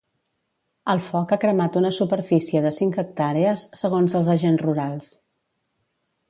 El foc ha cremat una superfície de cinc hectàrees, segons els Agents Rurals.